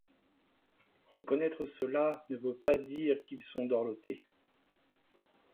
Reconnaître cela ne veut pas dire qu'ils sont dorlotés.